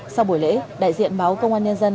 sau buổi lễ đại diện báo công an nhân dân